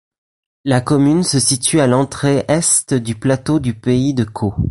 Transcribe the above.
La commune se situe à l'entrée est du plateau du pays de Caux.